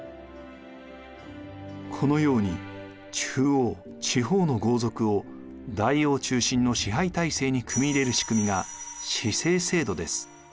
このように中央地方の豪族を大王中心の支配体制に組み入れる仕組みが氏姓制度です。